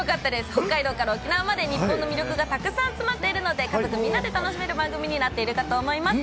北海道から沖縄まで、日本の魅力がたくさん詰まっているので、家族みんなで楽しめる番組になっているかと思います。